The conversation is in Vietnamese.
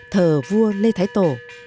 thờ vua lê thái tổ